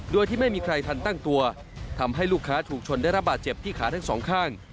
โดยที่ไม่มีใครทันตั้งตัวทำให้ลูกค้าถูกชนได้รับบาดเจ็บที่ขาทั้งสองข้าง